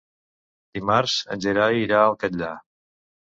Dimarts en Gerai irà al Catllar.